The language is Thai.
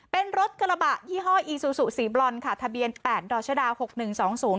เป็นรถกระบะยี่ห้ออีซูซูสีบรอนค่ะทะเบียนแปดดรชดาหกหนึ่งสองศูนย์